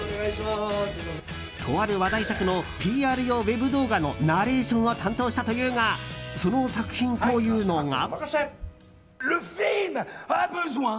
とある話題作のＰＲ用ウェブ動画のナレーションを担当したというがその作品というのが。